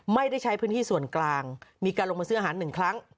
ไม่ได้ใช้พื้นที่ส่วนกลางมีการลงมาซื้ออาหารหนึ่งครั้ง